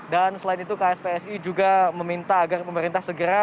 dan selain itu kspsi juga meminta agar pemerintah segera